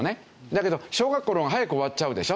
だけど小学校の方が早く終わっちゃうでしょ。